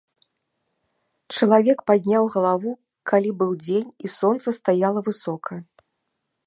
Чалавек падняў галаву, калі быў дзень і сонца стаяла высока.